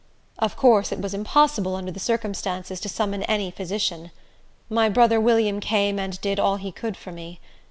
Of course it was impossible, under the circumstances, to summon any physician. My brother William came and did all he could for me.